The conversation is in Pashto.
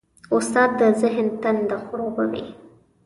استاد د ذهن تنده خړوبوي.